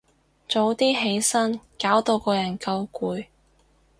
早啲起身，搞到個人夠攰